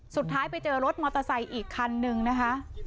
สุดท้ายไปเจอรถมอเตอร์ไซค์อีกคันนึงนะคะ